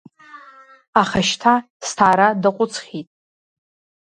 Аха шьҭа сҭаара даҟәыҵхьеит…